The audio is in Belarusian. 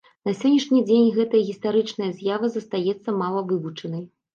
На сённяшні дзень гэтая гістарычная з'ява застаецца мала вывучанай.